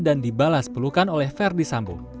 dan dibalas pelukan oleh verdi sambo